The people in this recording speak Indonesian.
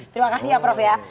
terima kasih ya prof ya